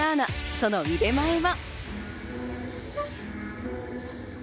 その腕前は。